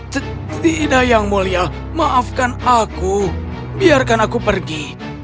setidaknya yang mulia maafkan aku biarkan aku pergi